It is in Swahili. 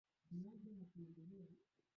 Ilikuwa kabla ya kufika kwa wageni hawa